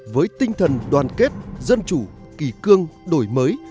với tinh thần đoàn kết dân chủ kỳ cương đổi mới